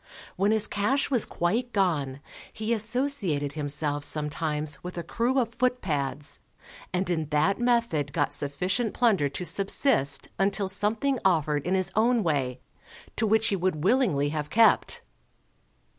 When his cash was quite gone, he associated himself sometimes with a crew of footpads, and in that method got sufficient plunder to subsist until something offered in his own way, to which he would willingly have kept.